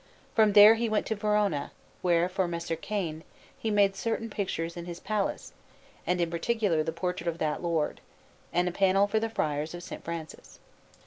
From there he went to Verona, where, for Messer Cane, he made certain pictures in his palace, and in particular the portrait of that lord; and a panel for the Friars of S. Francis.